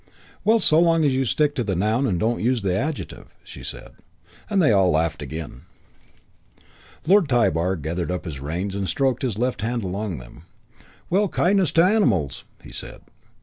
"Well, so long as you stick to the noun and don't use the adjective," she said; and they all laughed again. Lord Tybar gathered up his reins and stroked his left hand along them. "Well, kindness to animals!" he said.